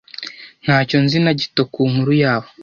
ntacyo nzi na gito ku nkuru yabo